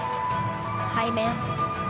背面。